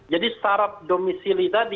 jadi syarat domisili tadi